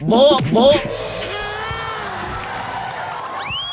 โบ๊ะ